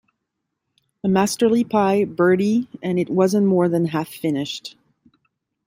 A masterly pie, Bertie, and it wasn't more than half finished.